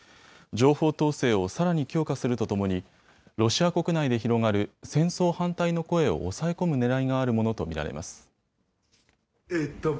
情報統制をさらに強化するとともにロシア国内で広がる戦争反対の声を押さえ込むねらいがあるものと見られます。